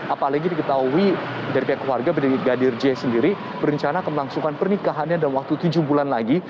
apalagi diketahui dari pihak keluarga brigadir j sendiri berencana akan melangsungkan pernikahannya dalam waktu tujuh bulan lagi